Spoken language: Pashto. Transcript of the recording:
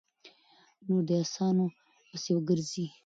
نور دې اسانو پسې ګرځي؛